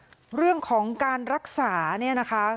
เรื่องของการรักษาเนี่ยนะคะ